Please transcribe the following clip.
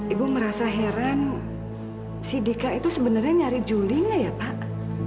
ibu merasa heran si dika itu sebenarnya nyari juli nggak ya pak